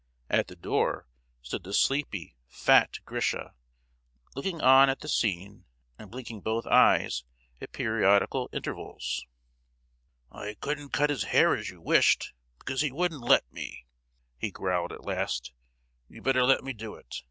At the door stood the sleepy, fat Grisha, looking on at the scene, and blinking both eyes at periodical intervals. "I couldn't cut his hair as you wished, because he wouldn't let me!" he growled at last. " 'You'd better let me do it!